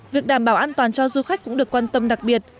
việc đảm bảo an toàn cho du khách cũng được quan tâm đặc biệt